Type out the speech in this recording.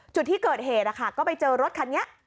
จุดที่เกิดเหตุก็ไปเจอรถคันนี้